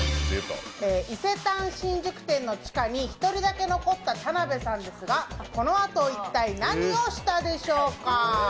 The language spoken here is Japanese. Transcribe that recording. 伊勢丹新宿店の地下に１人だけ残った田辺さんですがこのあと一体何をしたでしょうか？